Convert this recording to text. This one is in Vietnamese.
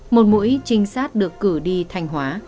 một mũi trinh sát được cử đi thanh hóa